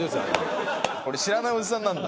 俺知らないオジさんなんだ。